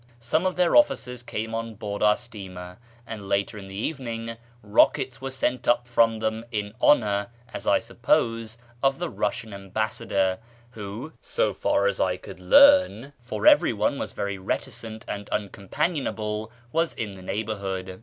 Some of their officers came on board our steamer, and later in the evening rockets were sent up from them in honour, as I suppose, of the Eussian Ambassador, who, so far as I could learn (for everyone was very reticent and uncom panionable), was in the neighbourhood.